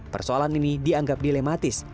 persoalan ini dianggap dilematis